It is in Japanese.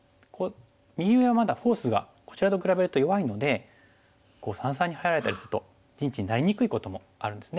右上はまだフォースがこちらと比べると弱いので三々に入られたりすると陣地になりにくいこともあるんですね。